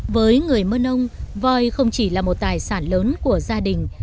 với người mưa nông voi không chỉ là một tài sản lớn của gia đình